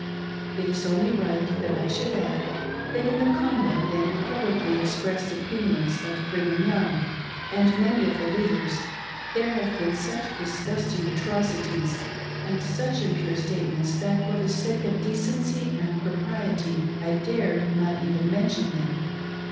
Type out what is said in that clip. It is only right that I should add, that in the conduct and publicly ex pressed opinions of Brigham Young and many of the leaders, there have been such disgusting atrocities and such impure statements that for the sake of decency and propriety I dared not even mention them.